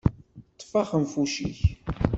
Ṭṭef axenfuc-ik!